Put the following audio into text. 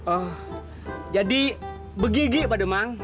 oh jadi begigi pak demang